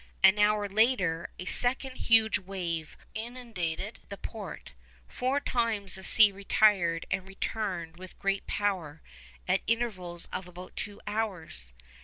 An hour later, a second huge wave inundated the port. Four times the sea retired and returned with great power at intervals of about two hours.